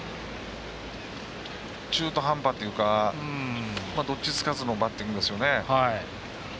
中途半端というかどっちつかずのバッティングですよね。